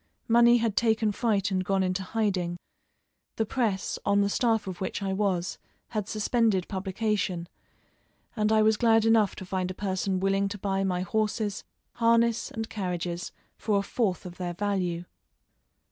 Money had taken fright and gone into hiding; the Presse, on the staff of which I was, had suspended publication, and I was glad enough to find a person willing to buy my horses, harness, and carriages for a fourth of their value.